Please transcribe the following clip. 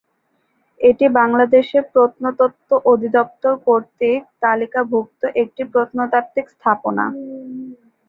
এটি বাংলাদেশ প্রত্নতত্ত্ব অধিদপ্তর কর্তৃক তালিকাভুক্ত একটি প্রত্নতাত্ত্বিক স্থাপনা।